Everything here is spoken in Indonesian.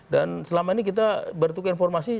dan selama ini kita bertukar informasi